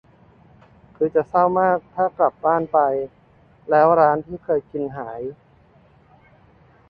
คือจะเศร้ามากถ้ากลับบ้านไป แล้วร้านที่เคยกินหาย